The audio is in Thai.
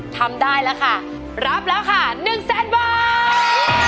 ทำได้แล้วค่ะรับแล้วค่ะ๑แสนบาท